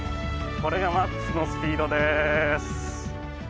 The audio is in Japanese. これがマックスのスピードです。